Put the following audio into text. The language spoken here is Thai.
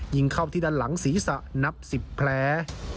ยิงเข้าที่ด้านหลังศีรษะนับ๑๐แผล